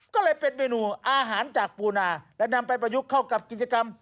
ก็เลยเป็นเมนูอาหารจากปูนาและนำไปประยุกต์เข้ากับกิจกรรม